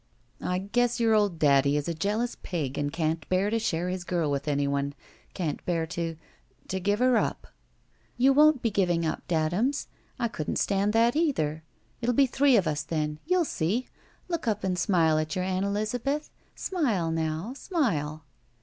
"I guess your old daddy is a jealous pig and can't bear to share his girl with anyone. Can't bear to — to give her up." "You won't be giving up, daddums. I couldn't stand that, either. It will be three of us then. You'll see. Look up and smile at your Ann Eliza beth. Smile, now, smile."